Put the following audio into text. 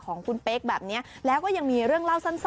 ของคุณเป๊กแบบนี้แล้วก็ยังมีเรื่องเล่าสั้น